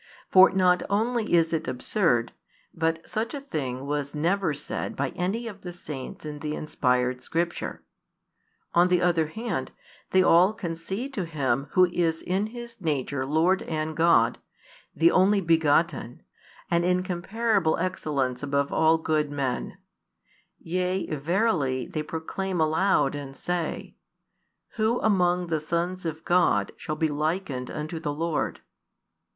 For not only is it absurd, but such a thing was never said by any of the saints in the inspired Scripture. On the other hand, they all concede to Him Who is in His nature Lord and God, the Only begotten, an incomparable excellence above all good men; yea, verily, they proclaim aloud and say: Who among the sons of God shall be likened unto the Lord?